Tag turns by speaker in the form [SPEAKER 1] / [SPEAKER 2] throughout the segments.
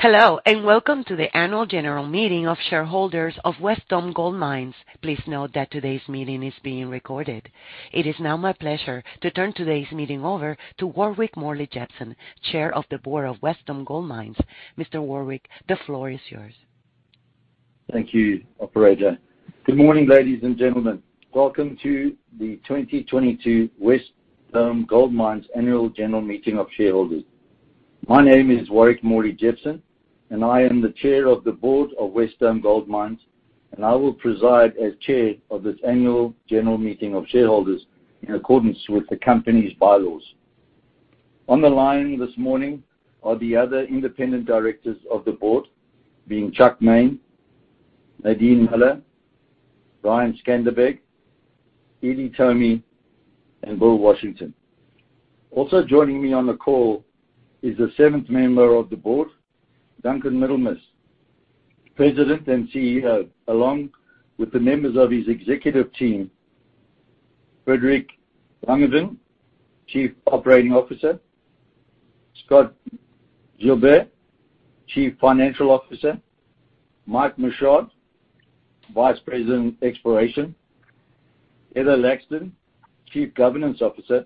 [SPEAKER 1] Hello, and welcome to the Annual General Meeting of Shareholders of Wesdome Gold Mines. Please note that today's meeting is being recorded. It is now my pleasure to turn today's meeting over to Warwick Morley-Jepson, Chair of the Board of Wesdome Gold Mines. Mr. Warwick, the floor is yours.
[SPEAKER 2] Thank you, operator. Good morning, ladies and gentlemen. Welcome to the 2022 Wesdome Gold Mines Annual General Meeting of Shareholders. My name is Warwick Morley-Jepson, and I am the Chair of the Board of Wesdome Gold Mines, and I will preside as chair of this annual general meeting of shareholders in accordance with the company's bylaws. On the line this morning are the other independent directors of the board, being Chuck Main, Nadine Miller, Brian Skanderbeg, Edie Thome, and Bill Washington. Also joining me on the call is the seventh member of the board, Duncan Middlemiss, President and CEO, along with the members of his executive team, Frederic Mercier-Langevin, Chief Operating Officer, Scott Gilbert, Chief Financial Officer, Mike Michaud, Vice President, Exploration, Heather Laxton, Chief Governance Officer,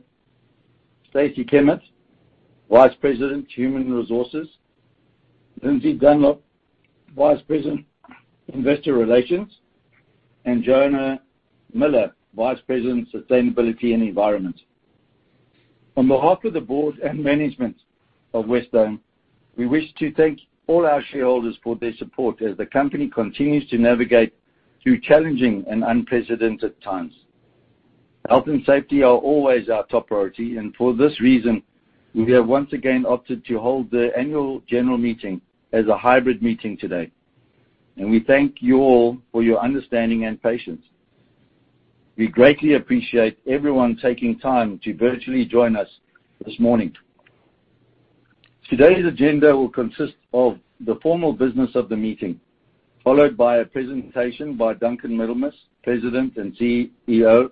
[SPEAKER 2] Stacy Kimmett, Vice President, Human Resources, Lindsay Dunlop, Vice President, Investor Relations, and Joanna Miller, Vice President, Sustainability and Environment. On behalf of the board and management of Wesdome, we wish to thank all our shareholders for their support as the company continues to navigate through challenging and unprecedented times. Health and safety are always our top priority, and for this reason, we have once again opted to hold the annual general meeting as a hybrid meeting today. We thank you all for your understanding and patience. We greatly appreciate everyone taking time to virtually join us this morning. Today's agenda will consist of the formal business of the meeting, followed by a presentation by Duncan Middlemiss, President and CEO,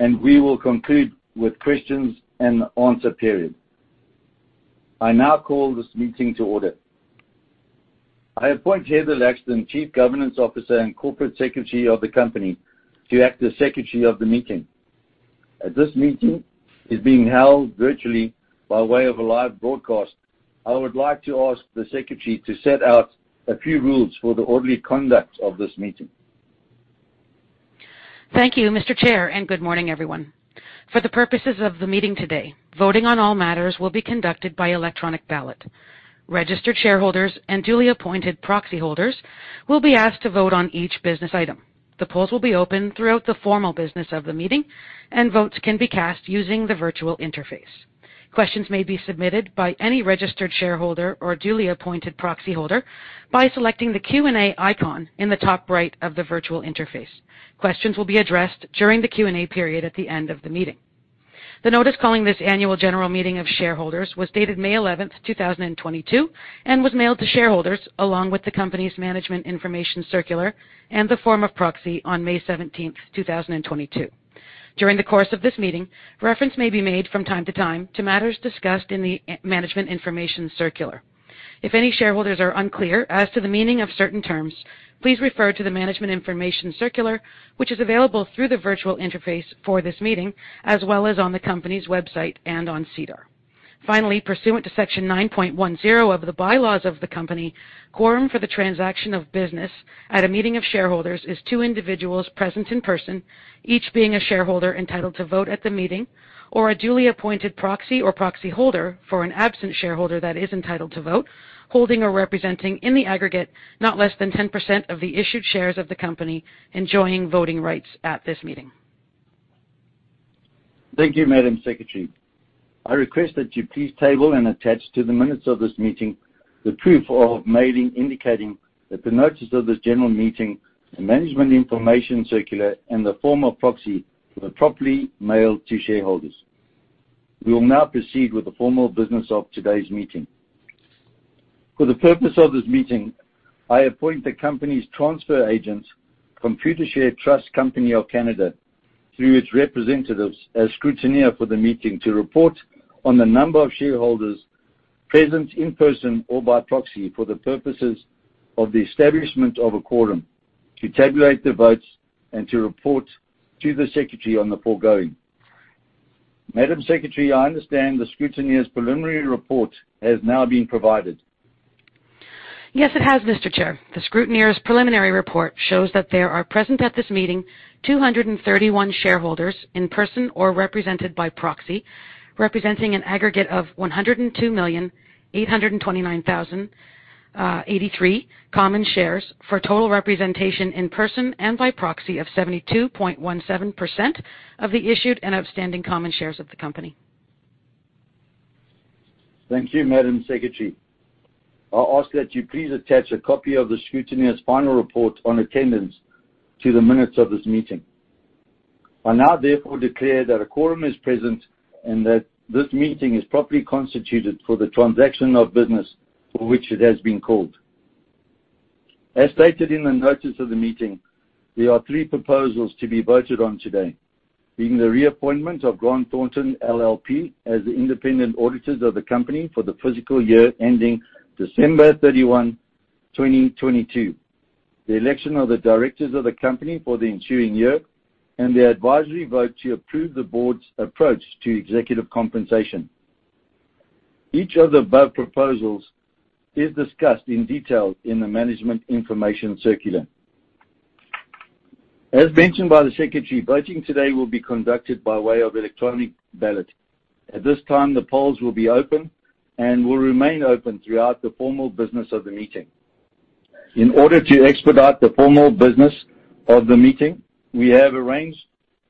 [SPEAKER 2] and we will conclude with questions and answer period. I now call this meeting to order. I appoint Heather Laxton, Chief Governance Officer and Corporate Secretary of the company, to act as Secretary of the meeting. As this meeting is being held virtually by way of a live broadcast, I would like to ask the secretary to set out a few rules for the orderly conduct of this meeting.
[SPEAKER 3] Thank you, Mr. Chair, and good morning, everyone. For the purposes of the meeting today, voting on all matters will be conducted by electronic ballot. Registered shareholders and duly appointed proxy holders will be asked to vote on each business item. The polls will be open throughout the formal business of the meeting, and votes can be cast using the virtual interface. Questions may be submitted by any registered shareholder or duly appointed proxy holder by selecting the Q&A icon in the top right of the virtual interface. Questions will be addressed during the Q&A period at the end of the meeting. The notice calling this annual general meeting of shareholders was dated May 11, 2022 and was mailed to shareholders along with the company's management information circular and the form of proxy on May 17th, 2022. During the course of this meeting, reference may be made from time to time to matters discussed in the management information circular. If any shareholders are unclear as to the meaning of certain terms, please refer to the Management Information Circular, which is available through the virtual interface for this meeting, as well as on the company's website and on SEDAR. Finally, pursuant to Section 9.10 of the bylaws of the company, quorum for the transaction of business at a meeting of shareholders is two individuals present in person, each being a shareholder entitled to vote at the meeting, or a duly appointed proxy or proxy holder for an absent shareholder that is entitled to vote, holding or representing in the aggregate not less than 10% of the issued shares of the company, enjoying voting rights at this meeting.
[SPEAKER 2] Thank you, Madam Secretary. I request that you please table and attach to the minutes of this meeting the proof of mailing indicating that the notice of this general meeting, the management information circular, and the form of proxy were properly mailed to shareholders. We will now proceed with the formal business of today's meeting. For the purpose of this meeting, I appoint the company's transfer agent, Computershare Trust Company of Canada, through its representatives as scrutineer for the meeting to report on the number of shareholders present in person or by proxy for the purposes of the establishment of a quorum, to tabulate the votes, and to report to the secretary on the foregoing. Madam Secretary, I understand the scrutineer's preliminary report has now been provided.
[SPEAKER 3] Yes, it has, Mr. Chair. The scrutineer's preliminary report shows that there are present at this meeting 231 shareholders in person or represented by proxy, representing an aggregate of 102,829,083 common shares for total representation in person and by proxy of 72.17% of the issued and outstanding common shares of the company.
[SPEAKER 2] Thank you, Madam Secretary. I'll ask that you please attach a copy of the scrutineer's final report on attendance to the minutes of this meeting. I now therefore declare that a quorum is present and that this meeting is properly constituted for the transaction of business for which it has been called. As stated in the notice of the meeting, there are three proposals to be voted on today, being the reappointment of Grant Thornton LLP as the independent auditors of the company for the fiscal year ending December 31, 2022, the election of the directors of the company for the ensuing year, and the advisory vote to approve the board's approach to executive compensation. Each of the above proposals is discussed in detail in the management information circular. As mentioned by the secretary, voting today will be conducted by way of electronic ballot. At this time, the polls will be open and will remain open throughout the formal business of the meeting. In order to expedite the formal business of the meeting, we have arranged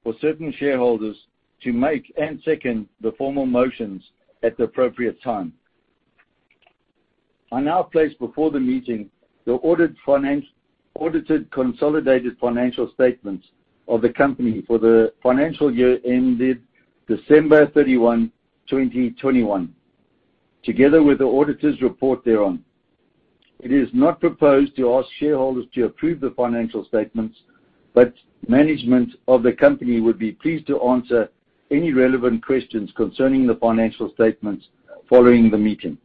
[SPEAKER 2] for certain shareholders to make and second the formal motions at the appropriate time. I now place before the meeting the audited consolidated financial statements of the company for the financial year ended December 31, 2021, together with the auditor's report thereon. It is not proposed to ask shareholders to approve the financial statements, but management of the company would be pleased to answer any relevant questions concerning the financial statements following the meeting.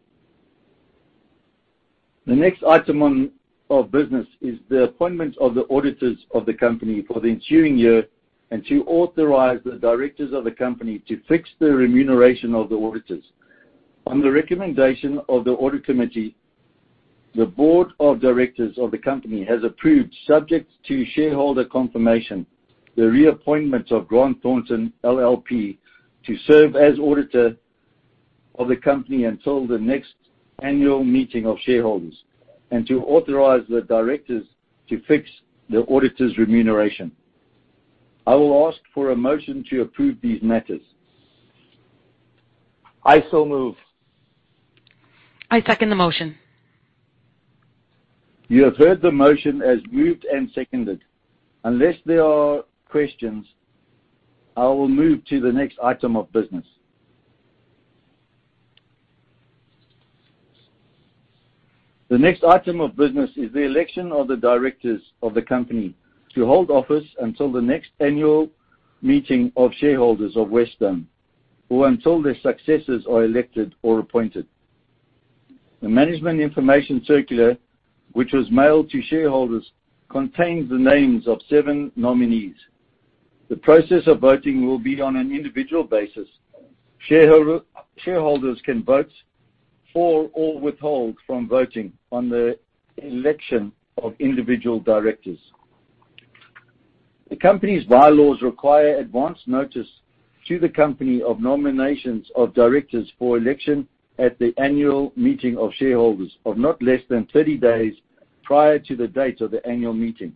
[SPEAKER 2] The next item of business is the appointment of the auditors of the company for the ensuing year and to authorize the directors of the company to fix the remuneration of the auditors. On the recommendation of the audit committee, the board of directors of the company has approved, subject to shareholder confirmation, the reappointment of Grant Thornton LLP to serve as auditor of the company until the next annual meeting of shareholders and to authorize the directors to fix the auditor's remuneration. I will ask for a motion to approve these matters. I so move.
[SPEAKER 4] I second the motion.
[SPEAKER 2] You have heard the motion as moved and seconded. Unless there are questions, I will move to the next item of business. The next item of business is the election of the directors of the company to hold office until the next annual meeting of shareholders of Wesdome or until their successors are elected or appointed. The management information circular, which was mailed to shareholders, contains the names of seven nominees. The process of voting will be on an individual basis. Shareholders can vote for or withhold from voting on the election of individual directors. The company's bylaws require advance notice to the company of nominations of directors for election at the annual meeting of shareholders of not less than thirty days prior to the date of the annual meeting.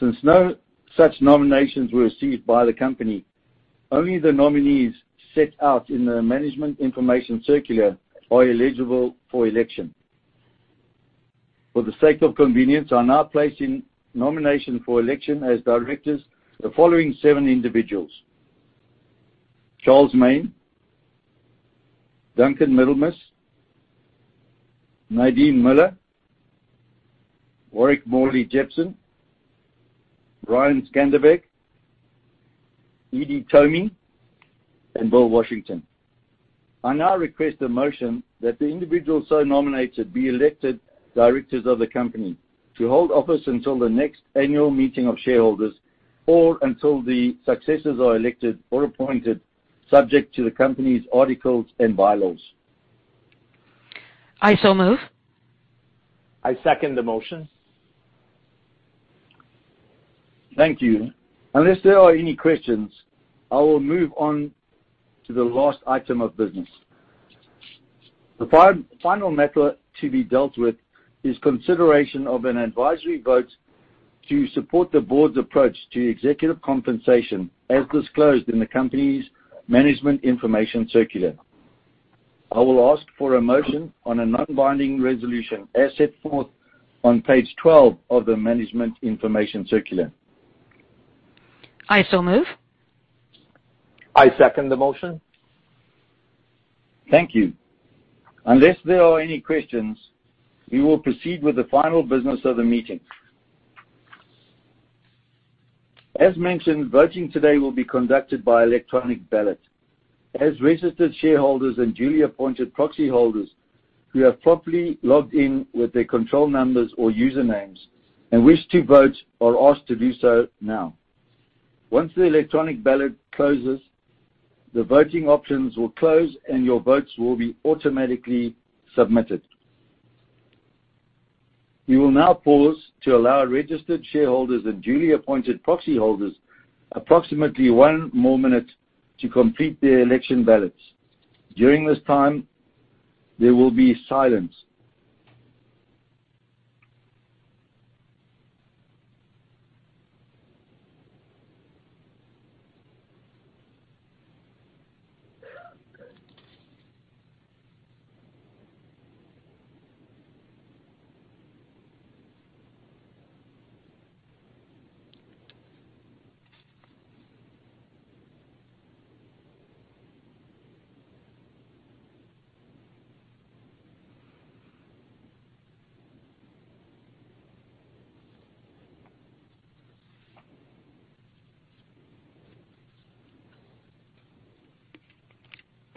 [SPEAKER 2] Since no such nominations were received by the company, only the nominees set out in the management information circular are eligible for election. For the sake of convenience, I now place in nomination for election as directors the following seven individuals. Charles Main, Duncan Middlemiss, Nadine Miller, Warwick Morley-Jepson, Brian Skanderbeg, Edie Thome, and Bill Washington. I now request a motion that the individuals so nominated be elected directors of the company to hold office until the next annual meeting of shareholders or until the successors are elected or appointed, subject to the company's articles and bylaws.
[SPEAKER 4] I so move.
[SPEAKER 2] I second the motion. Thank you. Unless there are any questions, I will move on to the last item of business. The final matter to be dealt with is consideration of an advisory vote to support the board's approach to executive compensation as disclosed in the company's management information circular. I will ask for a motion on a non-binding resolution as set forth on page 12 of the management information circular.
[SPEAKER 4] I so move.
[SPEAKER 2] I second the motion. Thank you. Unless there are any questions, we will proceed with the final business of the meeting. As mentioned, voting today will be conducted by electronic ballot. As registered shareholders and duly appointed proxy holders who have properly logged in with their control numbers or usernames and wish to vote are asked to do so now. Once the electronic ballot closes, the voting options will close, and your votes will be automatically submitted. We will now pause to allow registered shareholders and duly appointed proxy holders approximately one more minute to complete their election ballots. During this time, there will be silence.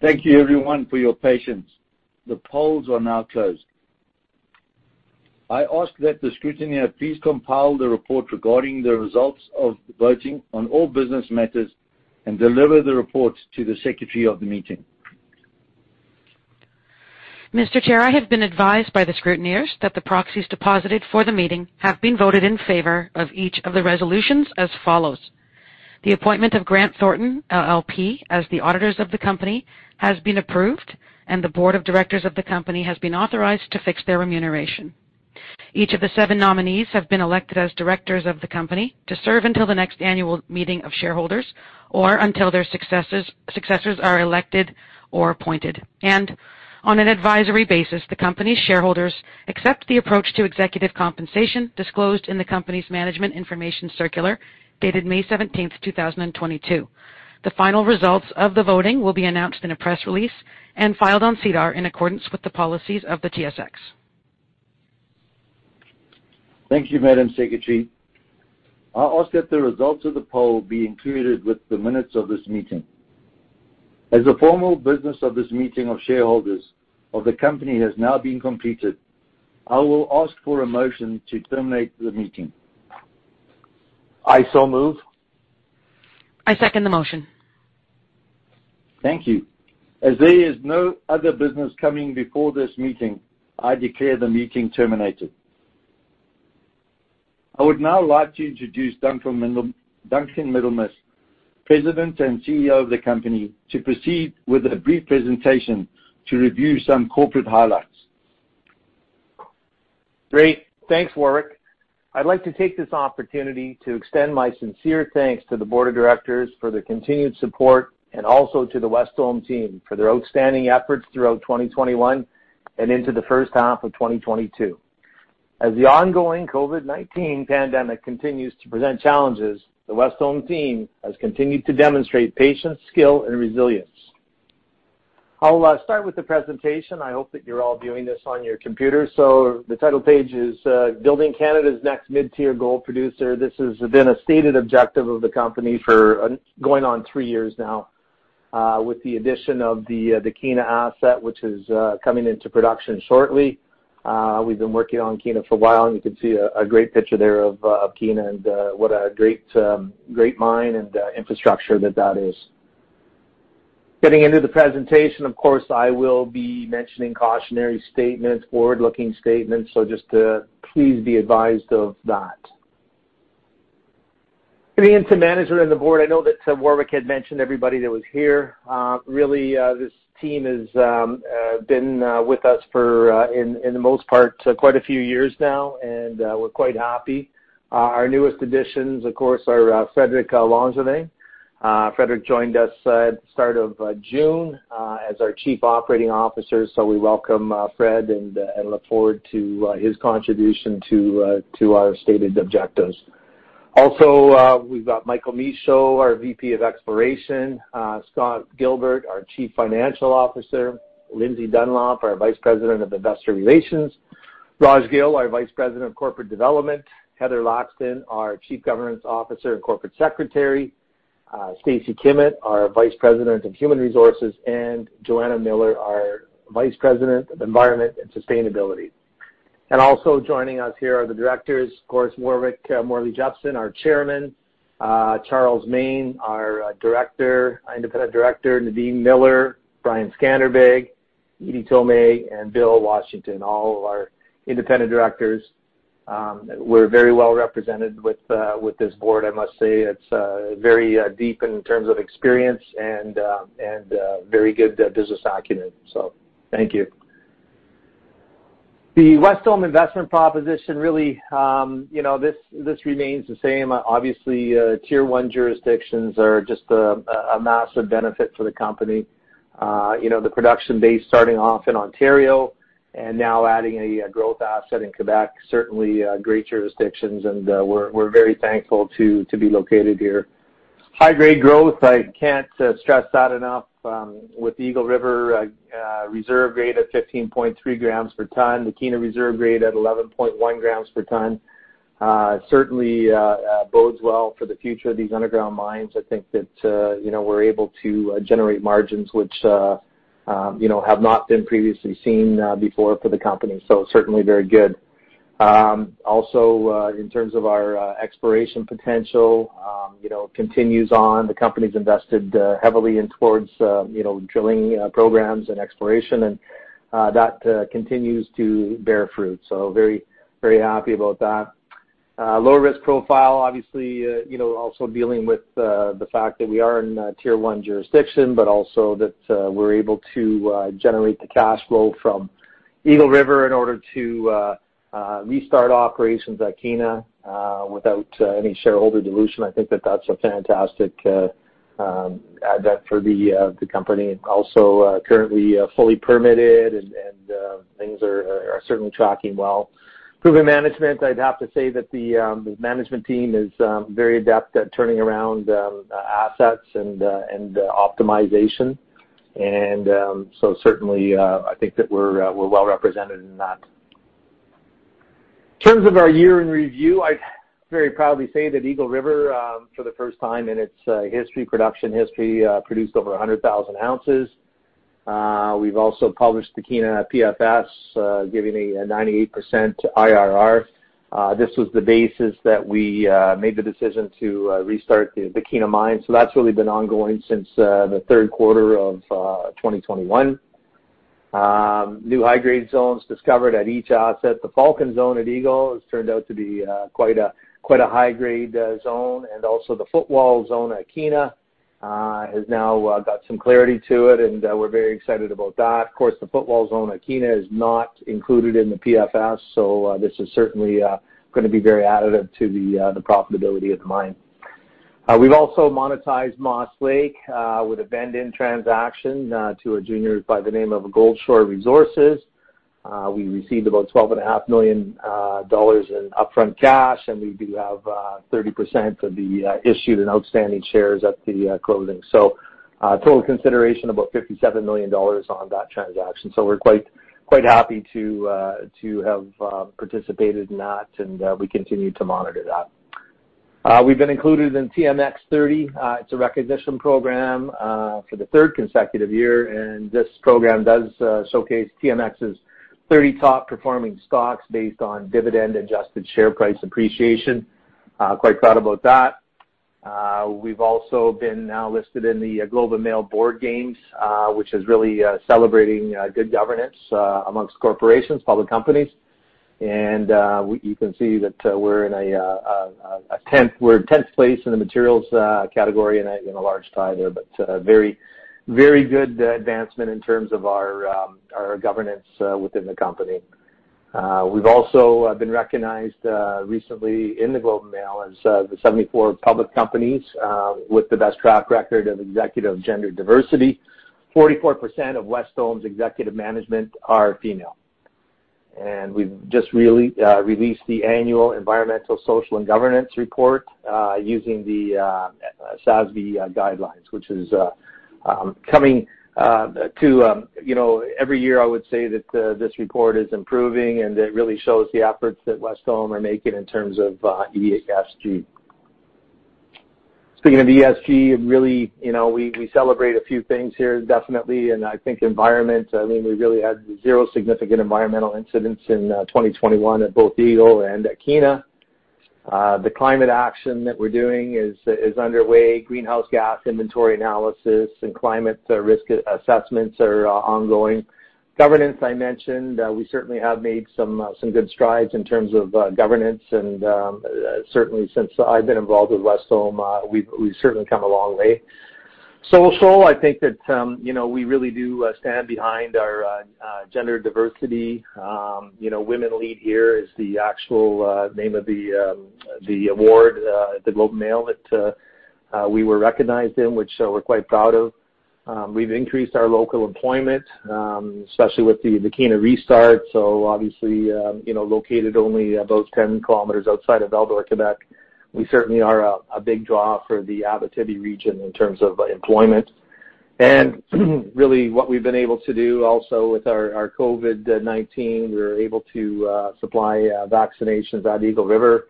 [SPEAKER 2] Thank you everyone for your patience. The polls are now closed. I ask that the scrutineer please compile the report regarding the results of the voting on all business matters and deliver the report to the secretary of the meeting.
[SPEAKER 3] Mr. Chair, I have been advised by the scrutineers that the proxies deposited for the meeting have been voted in favor of each of the resolutions as follows. The appointment of Grant Thornton LLP as the auditors of the company has been approved, and the board of directors of the company has been authorized to fix their remuneration. Each of the seven nominees have been elected as directors of the company to serve until the next annual meeting of shareholders, or until their successors are elected or appointed. On an advisory basis, the company's shareholders accept the approach to executive compensation disclosed in the company's management information circular dated May 17th, 2022. The final results of the voting will be announced in a press release and filed on SEDAR in accordance with the policies of the TSX.
[SPEAKER 2] Thank you, Madam Secretary. I ask that the results of the poll be included with the minutes of this meeting. As the formal business of this meeting of shareholders of the company has now been completed, I will ask for a motion to terminate the meeting. I so move.
[SPEAKER 4] I second the motion.
[SPEAKER 2] Thank you. As there is no other business coming before this meeting, I declare the meeting terminated. I would now like to introduce Duncan Middlemiss, President and CEO of the company, to proceed with a brief presentation to review some corporate highlights.
[SPEAKER 5] Great. Thanks, Warwick. I'd like to take this opportunity to extend my sincere thanks to the board of directors for their continued support, and also to the Wesdome team for their outstanding efforts throughout 2021 and into the first half of 2022. As the ongoing COVID-19 pandemic continues to present challenges, the Wesdome team has continued to demonstrate patience, skill, and resilience. I'll start with the presentation. I hope that you're all viewing this on your computer. The title page is Building Canada's Next Mid-Tier Gold Producer. This has been a stated objective of the company for going on three years now, with the addition of the Kiena asset, which is coming into production shortly. We've been working on Kiena for a while, and you can see a great picture there of Kiena and what a great mine and infrastructure that is. Getting into the presentation, of course, I will be mentioning cautionary statements, forward-looking statements. Just please be advised of that. Getting into management and the board, I know that Warwick had mentioned everybody that was here. Really, this team has been with us, for the most part, quite a few years now, and we're quite happy. Our newest additions, of course, are Frédéric Mercier-Langevin. Frédéric Mercier-Langevin joined us at the start of June as our Chief Operating Officer. We welcome Fred and look forward to his contribution to our stated objectives. Also, we've got Michael Michaud, our VP of Exploration. Scott Gilbert, our Chief Financial Officer. Lindsay Dunlop, our Vice President of Investor Relations. Raj Gill, our Vice President of Corporate Development. Heather Laxton, our Chief Governance Officer and Corporate Secretary. Stacy Kimmett, our Vice President of Human Resources, and Joanna Miller, our Vice President of Environment and Sustainability. Also joining us here are the directors, of course, Warwick Morley-Jepson, our Chairman, Charles Main, our independent director, Nadine Miller, Brian Skanderbeg, Edie Thome, and Bill Washington, all of our independent directors. We're very well represented with this board, I must say. It's very deep in terms of experience and very good business acumen. Thank you. The Wesdome investment proposition really, you know, this remains the same. Obviously, tier one jurisdictions are just a massive benefit for the company. You know, the production base starting off in Ontario and now adding a growth asset in Quebec, certainly great jurisdictions, and we're very thankful to be located here. High-grade growth, I can't stress that enough, with Eagle River reserve grade of 15.3 grams per ton, the Kiena reserve grade at 11.1 grams per ton, certainly bodes well for the future of these underground mines. I think that, you know, we're able to generate margins which, you know, have not been previously seen before for the company. Certainly very good. Also, in terms of our exploration potential, you know, continues on. The company's invested heavily towards, you know, drilling programs and exploration and that continues to bear fruit. Very, very happy about that. Lower risk profile, obviously, you know, also dealing with the fact that we are in a tier one jurisdiction, but also that we're able to generate the cash flow from Eagle River in order to restart operations at Kiena without any shareholder dilution. I think that's a fantastic advantage for the company. Also, currently, fully permitted and things are certainly tracking well. Proven management, I'd have to say that the management team is very adept at turning around assets and optimization. Certainly, I think that we're well represented in that. In terms of our year in review, I very proudly say that Eagle River, for the first time in its history, production history, produced over 100,000 ounces. We've also published the Kiena PFS, giving a 98% IRR. This was the basis that we made the decision to restart the Kiena Mine. That's really been ongoing since the third quarter of 2021. New high-grade zones discovered at each asset. The Falcon Zone at Eagle has turned out to be quite a high-grade zone, and also the Footwall Zone at Kiena has now got some clarity to it, and we're very excited about that. Of course, the Footwall Zone at Kiena is not included in the PFS, so this is certainly gonna be very additive to the profitability of the mine. We've also monetized Moss Lake with a vendor transaction to a junior by the name of Goldshore Resources. We received about 12 and a half million in upfront cash, and we do have 30% of the issued and outstanding shares at the closing. Total consideration about 57 million dollars on that transaction. We're quite happy to have participated in that, and we continue to monitor that. We've been included in TMX 30. It's a recognition program for the third consecutive year, and this program does showcase TMX's 30 top-performing stocks based on dividend-adjusted share price appreciation. Quite proud about that. We've also been now listed in the Globe and Mail Board Games, which is really celebrating good governance among corporations, public companies. You can see that we're in tenth place in the materials category and a large tie there, you know, but very, very good advancement in terms of our governance within the company. We've also been recognized recently in the Globe and Mail as the 74 public companies with the best track record of executive gender diversity. 44% of Wesdome's executive management are female. We've just really released the annual environmental, social, and governance report using the SASB guidelines, which is coming to. You know, every year, I would say that this report is improving, and it really shows the efforts that Wesdome are making in terms of ESG. Speaking of ESG, we celebrate a few things here, definitely. I think environment, I mean, we really had zero significant environmental incidents in 2021 at both Eagle and at Kiena. The climate action that we're doing is underway. Greenhouse gas inventory analysis and climate risk assessments are ongoing. Governance, I mentioned, we certainly have made some good strides in terms of governance and certainly since I've been involved with Wesdome, we've certainly come a long way. Social, I think that you know, we really do stand behind our gender diversity. You know, Women Lead Here is the actual name of the award at the Globe and Mail that we were recognized in, which we're quite proud of. We've increased our local employment, especially with the Kiena restart, so obviously, you know, located only about 10 kilometers outside of Val-d'Or, Québec. We certainly are a big draw for the Abitibi region in terms of employment. Really what we've been able to do also with our COVID-19, we were able to supply vaccinations at Eagle River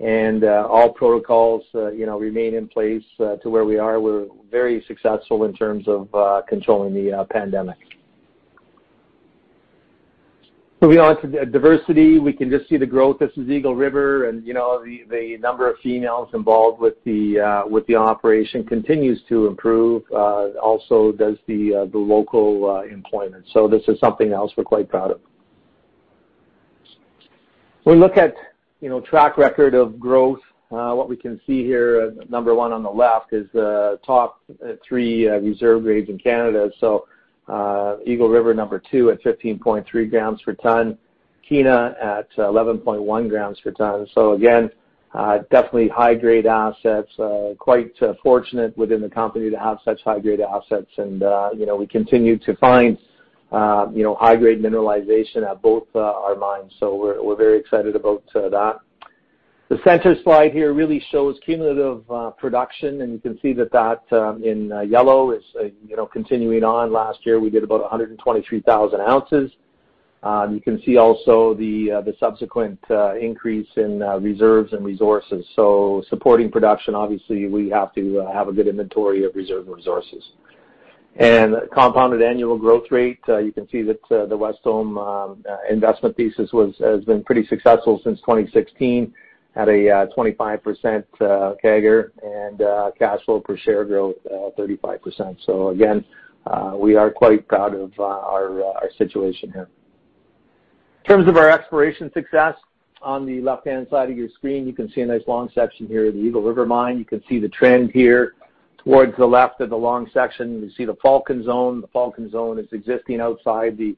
[SPEAKER 5] and all protocols you know remain in place to where we are. We're very successful in terms of controlling the pandemic. Moving on to diversity, we can just see the growth. This is Eagle River and, you know, the number of females involved with the operation continues to improve, also does the local employment. This is something else we're quite proud of. We look at, you know, track record of growth. What we can see here, number one on the left, is the top three reserve grades in Canada. Eagle River, number two, at 15.3 grams per ton. Kiena at 11.1 grams per ton. Again, definitely high-grade assets. Quite fortunate within the company to have such high-grade assets. You know, we continue to find, you know, high-grade mineralization at both our mines. We're very excited about that. The center slide here really shows cumulative production, and you can see that in yellow is, you know, continuing on. Last year, we did about 123,000 ounces. You can see also the subsequent increase in reserves and resources. Supporting production, obviously, we have to have a good inventory of reserve resources. Compounded annual growth rate, you can see that the Wesdome investment thesis was, has been pretty successful since 2016 at a 25% CAGR, and cash flow per share growth 35%. We are quite proud of our situation here. In terms of our exploration success, on the left-hand side of your screen, you can see a nice long section here of the Eagle River Mine. You can see the trend here. Towards the left of the long section, you see the Falcon Zone. The Falcon Zone is existing outside the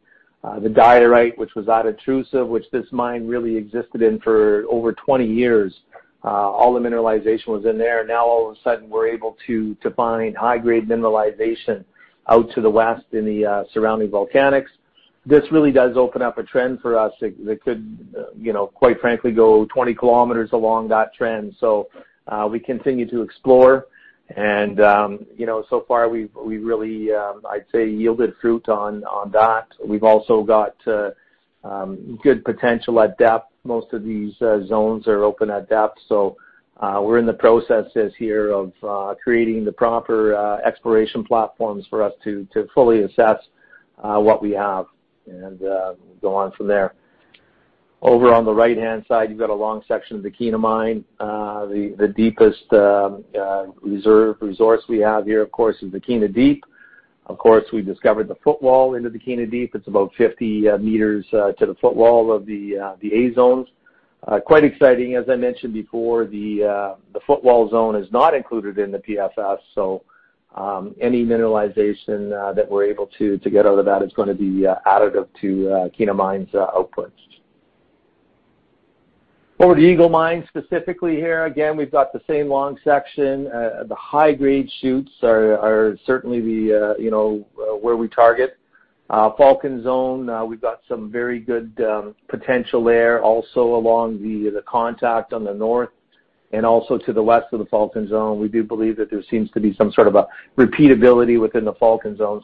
[SPEAKER 5] diorite, which was that intrusive, which this mine really existed in for over 20 years. All the mineralization was in there. Now, all of a sudden, we're able to find high grade mineralization out to the west in the surrounding volcanics. This really does open up a trend for us that could, you know, quite frankly, go 20 kilometers along that trend. We continue to explore and, you know, so far we've really, I'd say, yielded fruit on that. We've also got good potential at depth. Most of these zones are open at depth. We're in the processes here of creating the proper exploration platforms for us to fully assess what we have and go on from there. Over on the right-hand side, you've got a long section of the Kiena Mine. The deepest reserve resource we have here, of course, is the Kiena Deep. Of course, we discovered the footwall into the Kiena Deep. It's about 50 meters to the footwall of the A zones. Quite exciting. As I mentioned before, the footwall zone is not included in the PFS. Any mineralization that we're able to get out of that is gonna be additive to Kiena Mine's outputs. Over at the Eagle Mine, specifically here, again, we've got the same long section. The high-grade shoots are certainly the, you know, where we target. Falcon Zone, we've got some very good potential there, also along the contact on the north and also to the west of the Falcon Zone. We do believe that there seems to be some sort of a repeatability within the Falcon Zone.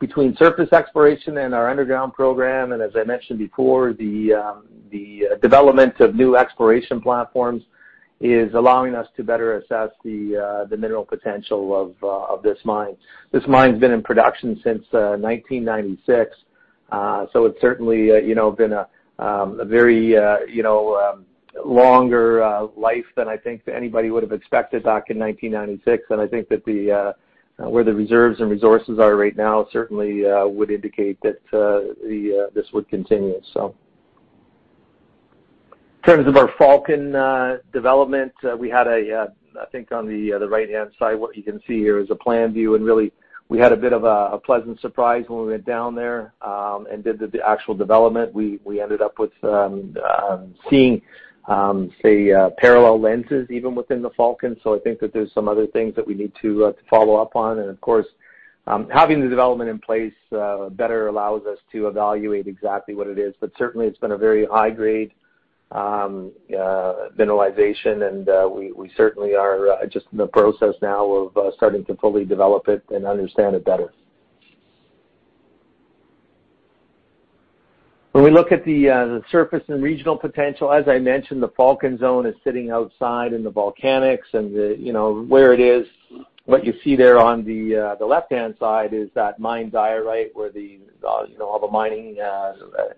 [SPEAKER 5] Between surface exploration and our underground program, and as I mentioned before, the development of new exploration platforms is allowing us to better assess the mineral potential of this mine. This mine's been in production since 1996. It's certainly, you know, been a very, you know, longer life than I think anybody would have expected back in 1996. I think that where the reserves and resources are right now certainly would indicate that this would continue. In terms of our Falcon development, we had, I think on the right-hand side, what you can see here is a plan view. Really, we had a bit of a pleasant surprise when we went down there and did the actual development. We ended up with seeing, say, parallel lenses even within the Falcon. I think that there's some other things that we need to follow up on. Of course, having the development in place better allows us to evaluate exactly what it is. Certainly it's been a very high grade mineralization. We certainly are just in the process now of starting to fully develop it and understand it better. When we look at the surface and regional potential, as I mentioned, the Falcon zone is sitting outside in the volcanics and the, you know, where it is, what you see there on the left-hand side is that mined diorite where the, you know, all the mining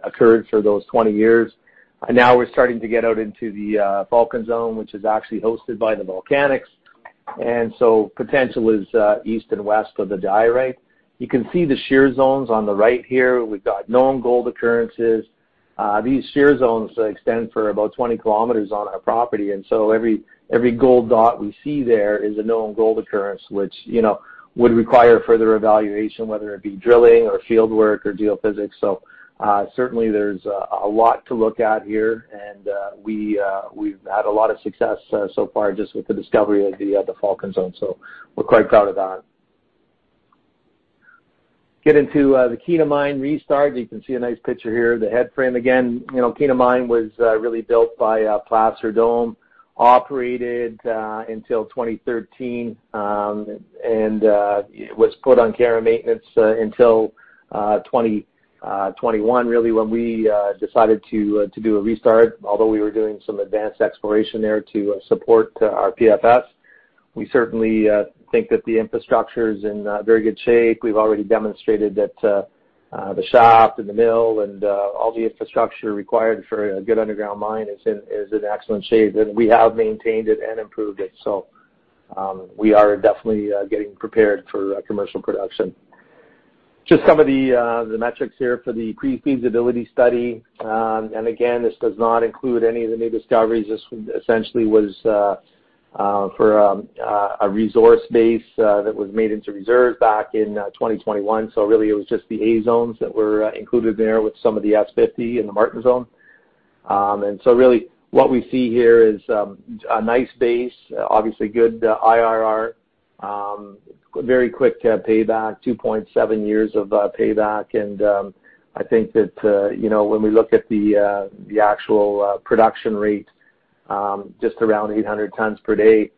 [SPEAKER 5] occurred for those 20 years. Now we're starting to get out into the Falcon zone, which is actually hosted by the volcanics. Potential is east and west of the diorite. You can see the shear zones on the right here. We've got known gold occurrences. These shear zones extend for about 20 kilometers on our property. Every gold dot we see there is a known gold occurrence, which, you know, would require further evaluation, whether it be drilling or field work or geophysics. Certainly there's a lot to look at here. We've had a lot of success so far just with the discovery of the Falcon zone. We're quite proud of that. Get into the Kiena Mine restart. You can see a nice picture here of the headframe. Again, you know, Kiena Mine was really built by Placer Dome, operated until 2013, and it was put on care and maintenance until 2021, really, when we decided to do a restart, although we were doing some advanced exploration there to support our PFS. We certainly think that the infrastructure is in very good shape. We've already demonstrated that the shop and the mill and all the infrastructure required for a good underground mine is in excellent shape. We have maintained it and improved it. We are definitely getting prepared for commercial production. Just some of the metrics here for the pre-feasibility study. Again, this does not include any of the new discoveries. This essentially was for a resource base that was made into reserve back in 2021. Really, it was just the A zones that were included there with some of the S50 in the Marbenite zone. Really what we see here is a nice base, obviously good IRR, very quick payback, 2.7 years payback. I think that you know when we look at the actual production rate just around 800 tons per day,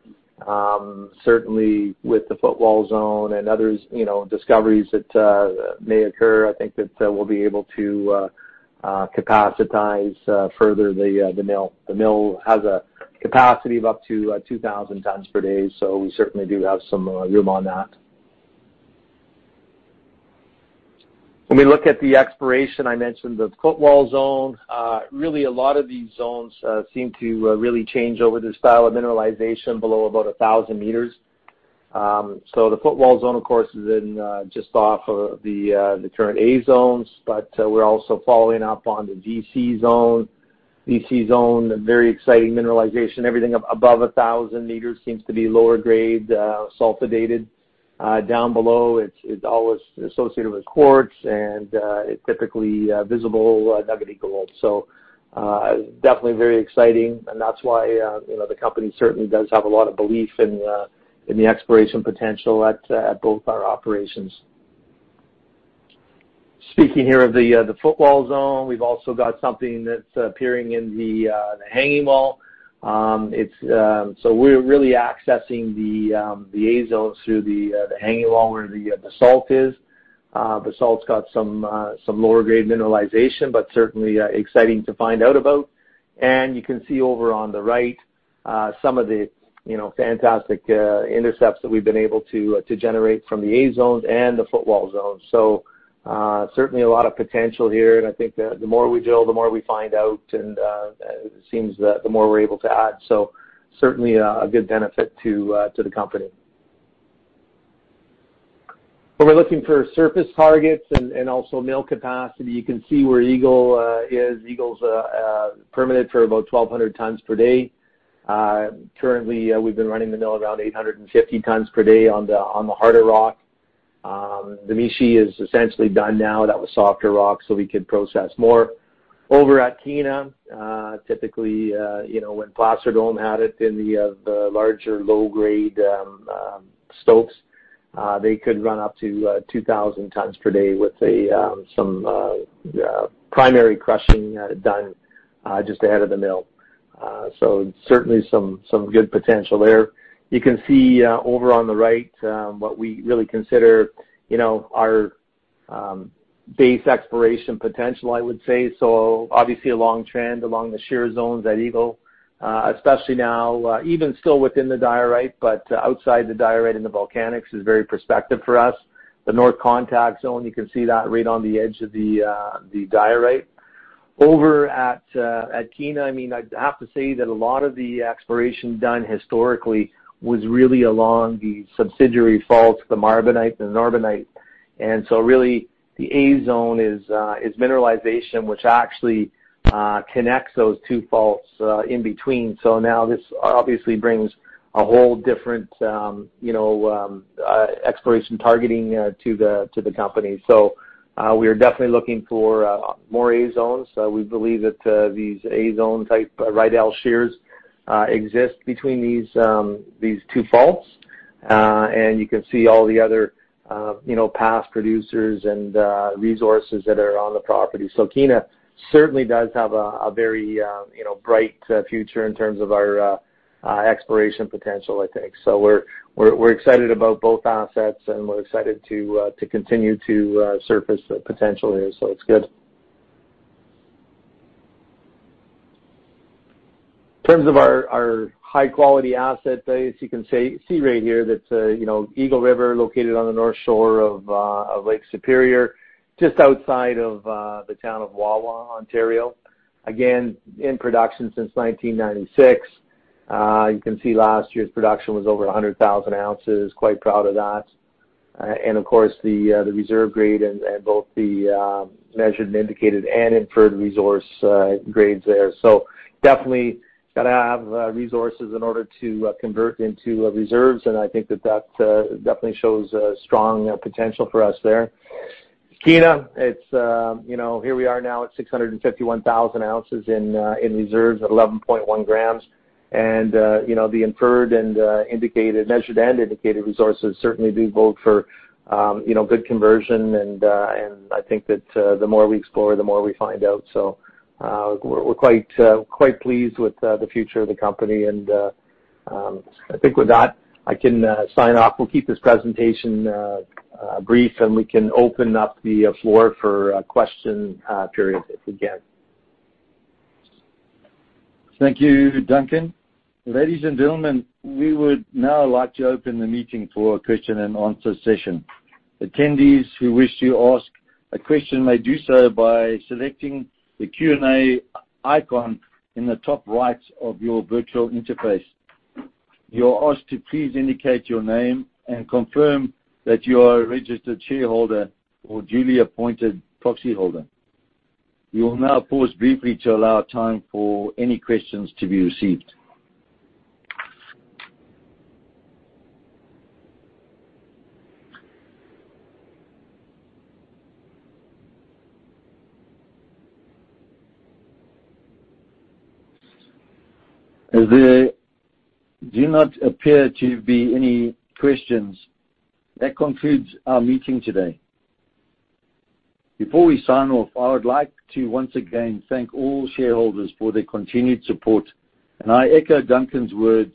[SPEAKER 5] certainly with the footwall zone and others, you know, discoveries that may occur, I think that we'll be able to capacitize further the mill. The mill has a capacity of up to 2,000 tons per day. We certainly do have some room on that. When we look at the exploration, I mentioned the footwall zone. Really a lot of these zones seem to really change over the style of mineralization below about 1,000 meters. The footwall zone, of course, is just off of the current A zones, but we're also following up on the DC zone. DC zone, a very exciting mineralization. Everything up above 1,000 meters seems to be lower grade, sulfidated. Down below, it's always associated with quartz and it's typically visible, nuggety gold. Definitely very exciting, and that's why, you know, the company certainly does have a lot of belief in the exploration potential at both our operations. Speaking here of the footwall zone, we've also got something that's appearing in the hanging wall. We're really accessing the A zones through the hanging wall where the basalt is. Basalt's got some lower grade mineralization, but certainly exciting to find out about. You can see over on the right some of the, you know, fantastic intercepts that we've been able to generate from the A zones and the footwall zones. Certainly a lot of potential here, and I think the more we drill, the more we find out, and it seems that the more we're able to add. Certainly a good benefit to the company. When we're looking for surface targets and also mill capacity, you can see where Eagle is. Eagle's permitted for about 1,200 tons per day. Currently, we've been running the mill around 850 tons per day on the harder rock. The Mishi is essentially done now. That was softer rock, so we could process more. Over at Kiena, typically, you know, when Placer Dome had it in the larger low-grade stopes, they could run up to 2,000 tons per day with some primary crushing done just ahead of the mill. So certainly some good potential there. You can see over on the right what we really consider, you know, our base exploration potential, I would say. So obviously a long trend along the shear zones at Eagle, especially now, even still within the diorite, but outside the diorite and the volcanics is very prospective for us. The north contact zone, you can see that right on the edge of the diorite. At Kiena, I mean, I'd have to say that a lot of the exploration done historically was really along the subsidiary faults, the Marbenite and the Norbenite. Really the A zone is mineralization which actually connects those two faults in between. This obviously brings a whole different exploration targeting to the company. We are definitely looking for more A zones. We believe that these A zone type Riedel shears exist between these two faults. You can see all the other you know past producers and resources that are on the property. Kiena certainly does have a very you know bright future in terms of our exploration potential, I think. We're excited about both assets, and we're excited to continue to surface the potential here. It's good. In terms of our high quality asset base, you can see right here that, you know, Eagle River located on the north shore of Lake Superior just outside of the town of Wawa, Ontario. Again, in production since 1996. You can see last year's production was over 100,000 ounces. Quite proud of that. And of course, the reserve grade and both the measured and indicated and inferred resource grades there. Definitely gotta have resources in order to convert into reserves, and I think that definitely shows a strong potential for us there. Kiena, it's you know, here we are now at 651,000 ounces in reserves at 11.1 grams. You know, the inferred and indicated measured and indicated resources certainly do bode for you know, good conversion and I think that the more we explore, the more we find out. We're quite pleased with the future of the company. I think with that, I can sign off. We'll keep this presentation brief, and we can open up the floor for a question period if we can.
[SPEAKER 2] Thank you, Duncan. Ladies and gentlemen, we would now like to open the meeting for a question and answer session. Attendees who wish to ask a question may do so by selecting the Q&A i-icon in the top right of your virtual interface. You are asked to please indicate your name and confirm that you are a registered shareholder or duly appointed proxyholder. We will now pause briefly to allow time for any questions to be received. As there do not appear to be any questions, that concludes our meeting today. Before we sign off, I would like to once again thank all shareholders for their continued support, and I echo Duncan's words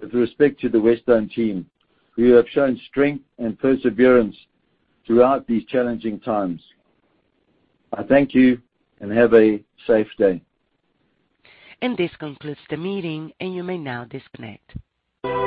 [SPEAKER 2] with respect to the Wesdome team, who have shown strength and perseverance throughout these challenging times. I thank you, and have a safe day.
[SPEAKER 1] This concludes the meeting, and you may now disconnect.